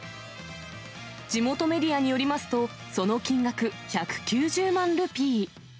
地元メディアによりますと、その金額１９０万ルピー。